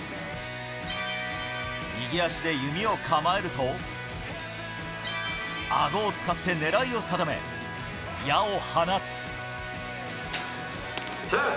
右足で弓を構えると、顎を使ってねらいを定め、矢を放つ。